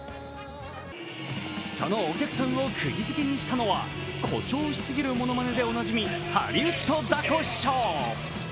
そのお客さんをくぎづけにしたのは誇張しすぎるものまねでおなじみ、ハリウッドザコシショウ。